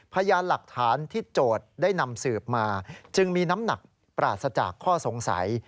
พยานหลักฐานที่โจทย์ได้นำสืบมาจึงมีน้ำหนักปราศจากข้อสงสัย